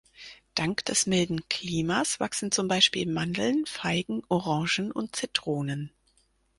Dank des milden Klimas wachsen zum Beispiel Mandeln, Feigen, Orangen und Zitronen.